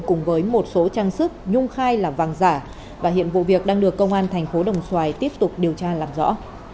cùng với một số trang sức nhung khai là vàng giả và hiện vụ việc đang được công an thành phố đồng xoài tiếp tục điều tra làm rõ